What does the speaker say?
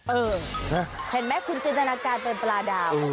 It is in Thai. เออเห็นไหมคุณจินตนาการเป็นปลาดาว